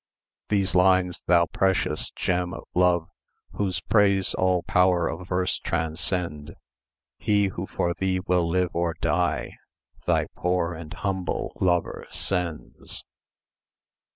These lines, thou precious gem of love, Whose praise all power of verse transcend, He who for thee will live or die, Thy poor and humble lover sends.